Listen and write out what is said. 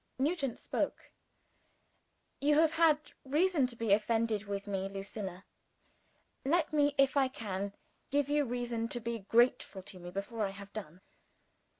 _" Nugent spoke. "You have had reason to be offended with me, Lucilla. Let me, if I can, give you reason to be grateful to me, before I have done.